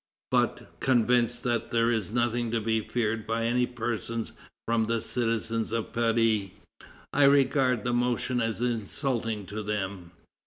But, convinced that there is nothing to be feared by any person from the citizens of Paris, I regard the motion as insulting to them."